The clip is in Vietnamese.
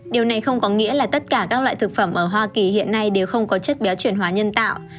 điều này không có nghĩa là tất cả các loại thực phẩm ở hoa kỳ hiện nay đều không có chất béo chuyển hóa nhân tạo